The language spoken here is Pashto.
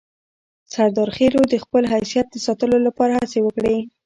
سردارخېلو د خپل حیثیت د ساتلو لپاره هڅې وکړې.